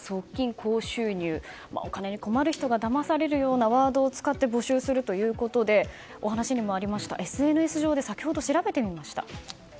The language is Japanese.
高収入とお金に困る人がだまされるようなワードを使って募集するということでお話にもありましたＳＮＳ上で調べてみました。